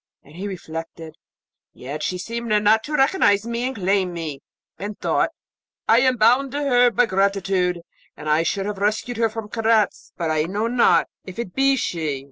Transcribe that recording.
And he reflected, 'Yet she seemed not to recognize and claim me'; and thought, 'I am bound to her by gratitude, and I should have rescued her from Karaz, but I know not if it be she.